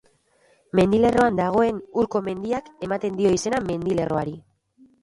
Mendilerroan dagoen Urko mendiak ematen dio izena mendilerroari.